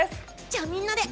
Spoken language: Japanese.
じゃあみんなで。